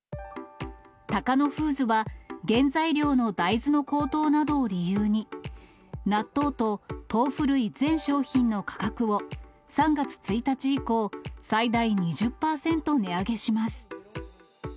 タカノフーズは、原材料の大豆の高騰などを理由に、納豆と豆腐類全商品の価格を、３月１日以降、最大２０％値上げします。